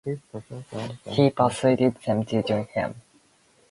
He persuaded them to join him.